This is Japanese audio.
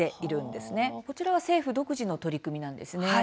こちらは政府独自の取り組みなんですね。